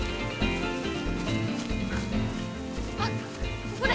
あっここで！